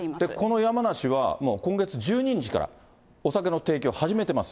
山梨はもう今月１２日からお酒の提供始めてます。